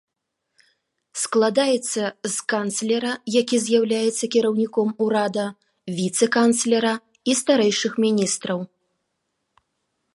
Складаецца з канцлера, які з'яўляецца кіраўніком урада, віцэ-канцлера і старэйшых міністраў.